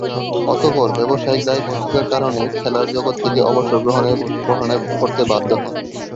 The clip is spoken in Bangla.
অতঃপর ব্যবসায়িক দায়বদ্ধতার কারণে খেলার জগৎ থেকে অবসর গ্রহণে করতে বাধ্য হন।